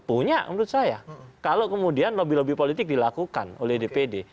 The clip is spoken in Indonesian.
punya menurut saya kalau kemudian lobby lobby politik dilakukan oleh dpd